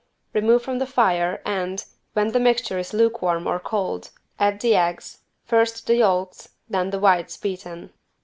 Remove from the fire and, when the mixture is lukewarm or cold add the eggs, first the yolks, then the whites beaten.